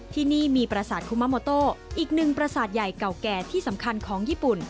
ที่นี่มีประสาทคุมาโมโต้อีกหนึ่งประสาทใหญ่เก่าแก่ที่สำคัญของญี่ปุ่น